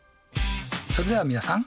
それでは皆さん。